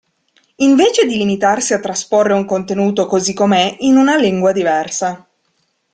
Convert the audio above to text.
Invece di limitarsi a trasporre un contenuto così com'è in una lingua diversa.